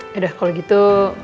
yaudah kalau gitu